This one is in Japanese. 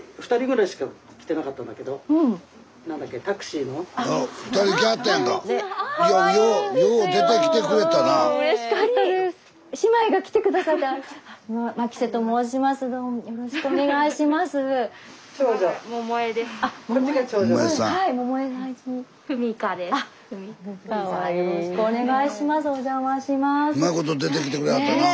スタジオうまいこと出てきてくれはったなあ。